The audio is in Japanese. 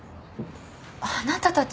あなたたち。